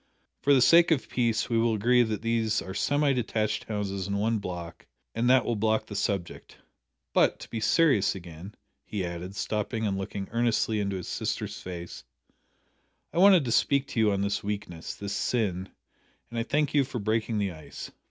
For the sake of peace we will agree that these are semi detached houses in one block and that will block the subject. But, to be serious again," he added, stopping and looking earnestly into his sister's face, "I wanted to speak to you on this weakness this sin and I thank you for breaking the ice.